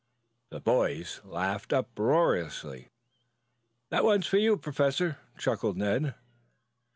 The boys laughed uproariously. "That's one for you, Professor," chuckled Ned.